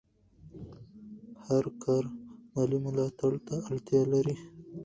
هر کار مالي ملاتړ ته اړتیا لري.